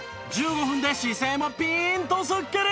１５分で姿勢もピーンとスッキリ！